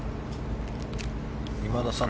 今田さん